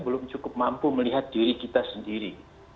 belum cukup mampu melihat diri kita sendiri